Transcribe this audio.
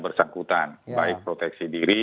bersangkutan baik proteksi diri